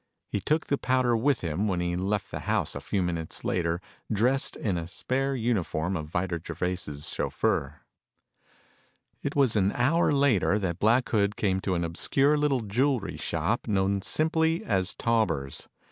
He took the powder with him when he left the house a few minutes later dressed in a spare uniform of Vida Gervais' chauffeur. It was an hour later that Black Hood came to an obscure little jewelry shop known simply as "Tauber's."